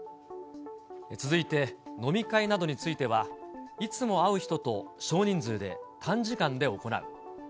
続いて、飲み会などについては、いつも会う人と少人数で短時間で行う。